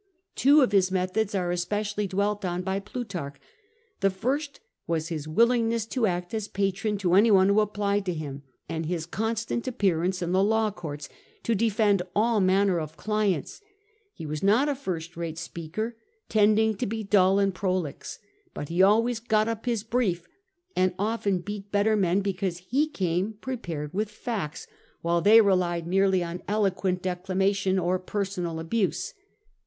Two of his methods are especially dwelt on by Plutarch ; the first was his willingness to act as patron to any one who applied to him, and his constant appearance in the law courts to defend all manner of clients. He was not a first rate speaker, tending to be dull and prolix, but he always got up his brief/' and often beat better men, because he came prepared with facts, while they relied merely on eloquent declamation or personal abuse.